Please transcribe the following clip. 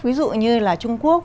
ví dụ như là trung quốc